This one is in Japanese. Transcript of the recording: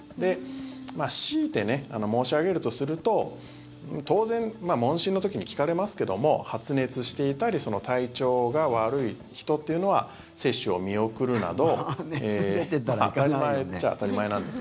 しいて申し上げるとすると当然、問診の時に聞かれますけど発熱していたり体調が悪い人というのは接種を見送るなど。